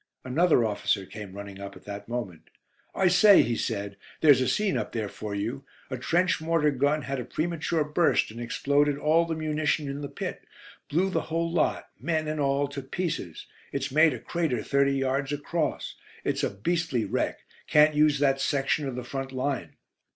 Another officer came running up at that moment. "I say," he said, "there's a scene up there for you. A trench mortar gun had a premature burst, and exploded all the munition in the pit; blew the whole lot men and all to pieces. It's made a crater thirty yards across. It's a beastly wreck. Can't use that section of the front line.